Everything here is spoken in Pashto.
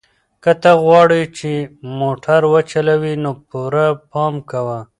که ته غواړې چې موټر وچلوې نو پوره پام کوه.